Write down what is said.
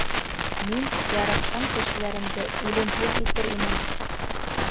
Мин яратҡан кешеләремде үлемһеҙ итер инем!